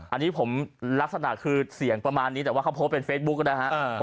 อันนี้ผมลักษณะคือเสียงประมาณนี้แต่ว่าเขาโพสต์เป็นเฟซบุ๊กนะฮะ